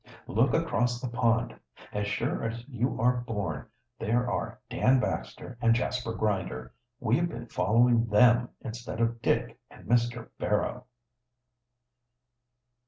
"Look across the pond. As sure as you are born, there are Dan Baxter and Jasper Grinder. We've been following them instead of Dick and Mr. Barrow!"